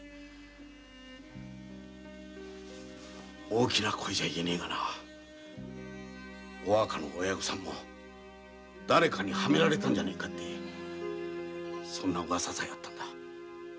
大きな声じゃ言えねぇがなお若の親御さんもだれかにはめられたんじゃねぇかそんなウワサさえあったんだ。